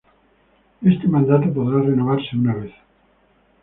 Este mandato podrá renovarse una vez.